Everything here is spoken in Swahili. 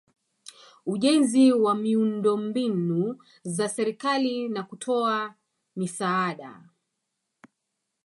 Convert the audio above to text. ujenzi wa miundombinu za serikali na kutoa misaada